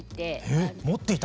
えっ持っていた？